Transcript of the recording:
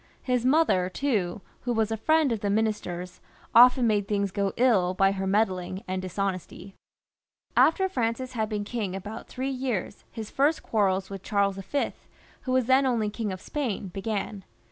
His mother, too, who was a friend of the minister's, often made things go ill by her meddling and dishonesty. After Francis had been king about three years, his first quarrels with Charles V. began.